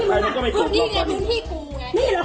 อาหารที่สุดท้าย